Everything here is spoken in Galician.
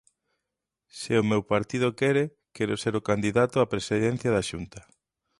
Se o meu partido quere, quero ser o candidato á presidencia da Xunta.